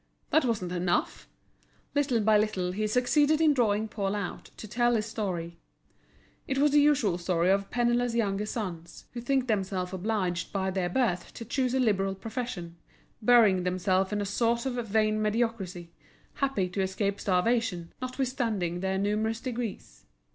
that wasn't enough. Little by little he succeeded in drawing Paul out to tell his story. It was the usual story of penniless younger sons, who think themselves obliged by their birth to choose a liberal profession, burying themselves in a sort of vain mediocrity, happy to escape starvation, notwithstanding their numerous degrees.